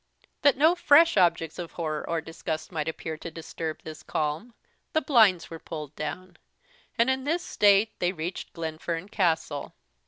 That no fresh objects of horror or disgust might appear to disturb this calm, the blinds were pulled down, and in this state they reached Glenfern Castle.